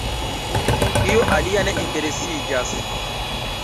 Io alia ne interesiĝas.